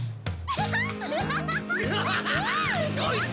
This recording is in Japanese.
アハハ！